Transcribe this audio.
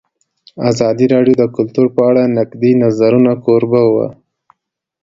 ازادي راډیو د کلتور په اړه د نقدي نظرونو کوربه وه.